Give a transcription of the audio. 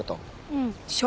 うん。